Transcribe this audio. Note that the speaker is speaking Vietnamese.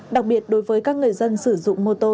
đặc biệt đối với các người dân sử dụng mô tô